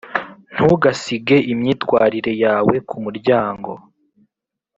ntugasige imyitwarire yawe kumuryango